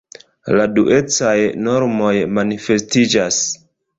La duecaj normoj manifestiĝas.